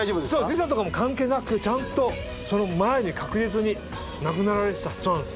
時差とかも関係なくその前に確実に亡くなられてた人なんですよ。